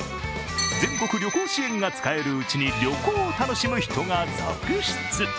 全国旅行支援が使えるうちに旅行を楽しむ人が続出。